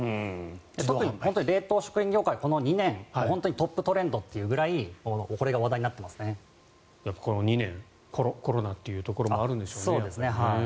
特に冷凍食品業界、この２年トップトレンドというくらいこの２年コロナというところもあるんでしょうね。